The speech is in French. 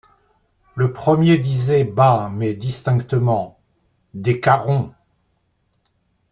Le premier disait bas, mais distinctement: — Décarrons.